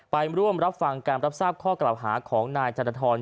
ไปร่วมรับฟังการรับทราบข้อกล่าวหาของนายจันทร